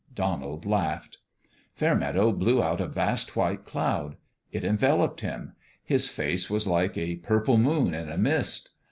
Donald laughed. Fairmeadow blew out a vast white cloud. It enveloped him : his face was like a purple moon in a mist.